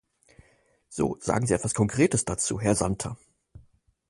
So, sagen Sie etwas Konkretes dazu, Herr Santer!